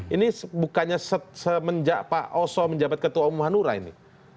ini bukannya semenjak pak oso menjabat ketua umum hanura ini